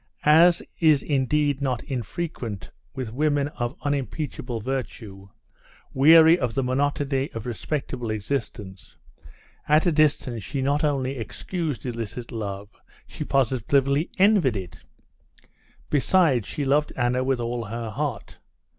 As is indeed not unfrequent with women of unimpeachable virtue, weary of the monotony of respectable existence, at a distance she not only excused illicit love, she positively envied it. Besides, she loved Anna with all her heart.